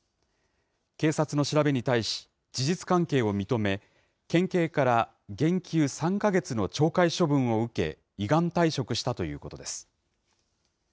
警察の調べに対し、事実関係を認め、県警から減給３か月の懲戒処分を受け、依願退職したということです。